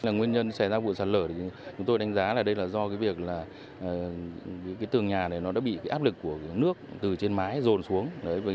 nguyên nhân xảy ra vụ sạt lở chúng tôi đánh giá là do việc tường nhà bị áp lực của nước từ trên mái rồn xuống